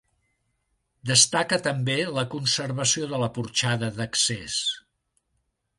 Destaca també la conservació de la porxada d'accés.